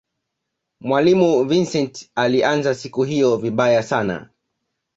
mwalimu vincent aliianza siku hiyo vibaya sana